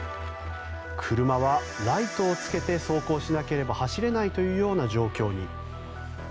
車はライトをつけて走行しなければ走れないというような状況に。